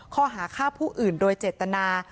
ข้อหาฆ่าผู้อื่นโดยเจตนา